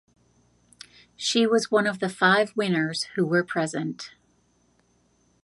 She was one of the five winners who were present.